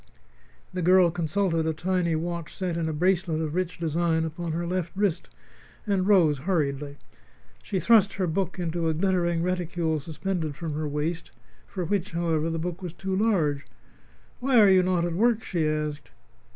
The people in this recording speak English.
The girl consulted a tiny watch set in a bracelet of rich design upon her left wrist, and rose, hurriedly. She thrust her book into a glittering reticule suspended from her waist, for which, however, the book was too large. "Why are you not at work?" she asked.